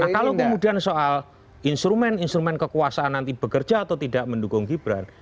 nah kalau kemudian soal instrumen instrumen kekuasaan nanti bekerja atau tidak mendukung gibran